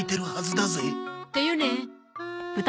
だよね。